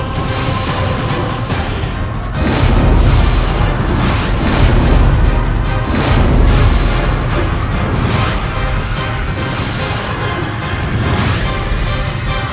tidak ada apa apa